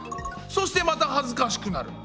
そしてまたはずかしくなる。